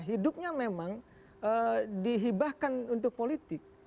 hidupnya memang dihibahkan untuk politik